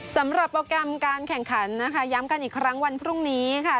สำหรับโปรแกรมการแข่งขันนะคะย้ำกันอีกครั้งวันพรุ่งนี้ค่ะ